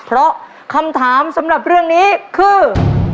เพราะคำถามสำหรับเรื่องนี้คือ